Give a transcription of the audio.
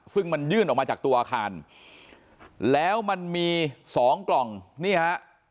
ซึ่งมันยื่นออกมาจากตัวอาคารแล้วมันมีสองกล่องนี่ฮะ